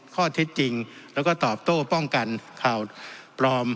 ข้อเท็จจริงแล้วก็ตอบโต้ป้องกันข่าวปลอม